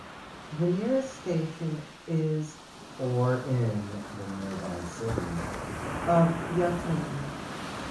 The nearest station is or in the nearby city of Yatomi.